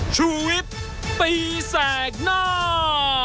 ชุวิตตีแสดหน้า